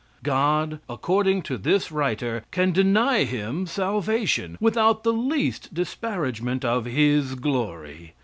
God, according to this writer, can deny him salvation, without the least disparagement of His glory.